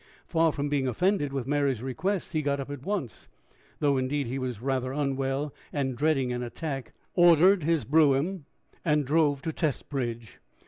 Far from being offended with Mary's request, he got up at once, though indeed he was rather unwell and dreading an attack, ordered his brougham, and drove to Testbridge.